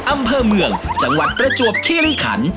อำเภอเมืองจังหวัดประจวบคิริขัน